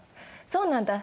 そうなんだ。